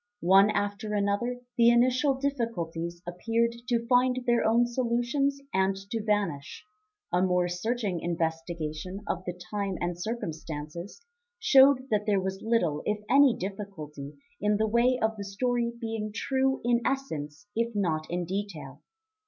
One after another the initial difficulties appeared to find their own solutions and to vanish; a more searching investigation of the time and circumstances showed that there was little if any difficulty in the way of the story being true in essence if not in detail.